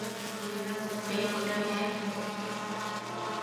Chị là cục kê của đời em